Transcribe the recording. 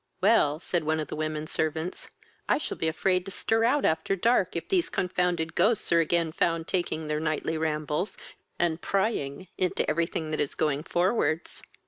"Well, (said one of the women servants,) I shall be afraid to stir out after dark, if these confounded ghosts are again found taking their nightly rambles, and prying into every thing that is going forwards."